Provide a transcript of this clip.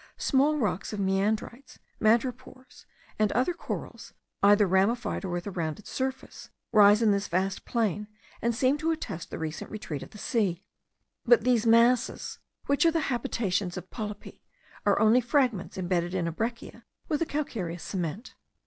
Small rocks of meandrites, madrepores, and other corals, either ramified or with a rounded surface, rise in this vast plain, and seem to attest the recent retreat of the sea. But these masses, which are the habitations of polypi, are only fragments imbedded in a breccia with a calcareous cement.